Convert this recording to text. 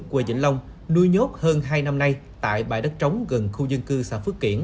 quê vĩnh long nuôi nhốt hơn hai năm nay tại bãi đất trống gần khu dân cư xã phước kiển